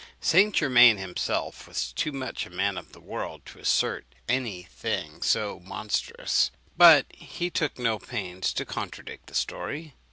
St. Germain himself was too much a man of the world to assert any thing so monstrous; but he took no pains to contradict the story.